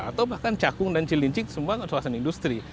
atau bahkan cakung dan cilincik semua kan kawasan industri